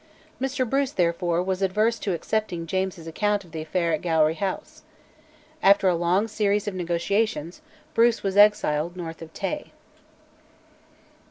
Mr Bruce, therefore, was averse to accepting James's account of the affair at Gowrie House. After a long series of negotiations Bruce was exiled north of Tay.